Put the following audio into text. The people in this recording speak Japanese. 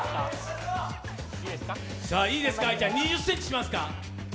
いいですか、愛ちゃん、２０ｃｍしますか。